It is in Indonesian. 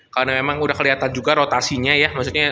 karena memang udah keliatan juga rotasinya ya maksudnya